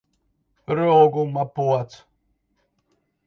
Rūguma pods!